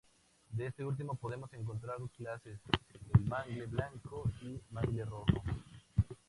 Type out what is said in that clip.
De este último podemos encontrar dos clases: el mangle blanco y el mangle rojo.